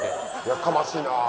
やかましいなあ。